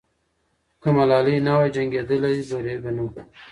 که ملالۍ نه وای جنګېدلې، بری به نه وو.